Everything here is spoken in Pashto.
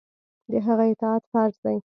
د هغه اطاعت فرض دی.